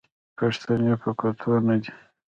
پښتنې په کتو نه دي